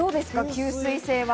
吸水性は。